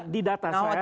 di data saya